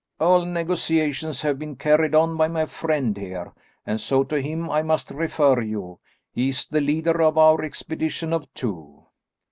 "All negotiations have been carried on by my friend here, and so to him I must refer you. He is the leader of our expedition of two."